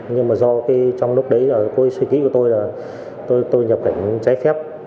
nhưng mà do trong lúc đấy cô ý suy nghĩ của tôi là tôi nhập cảnh trái phép